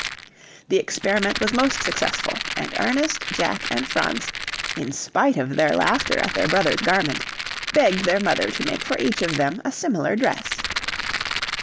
The experiment was most successful, and Ernest, Jack, and Franz, in spite of their laughter at their brother's garment, begged their mother to make for each of them a similar dress.